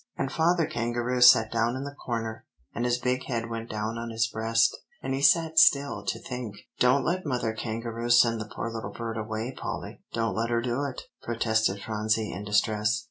and Father Kangaroo sat down in the corner, and his big head went down on his breast, and he sat still to think." "Don't let Mother Kangaroo send the poor little bird away, Polly. Don't let her do it!" protested Phronsie in distress.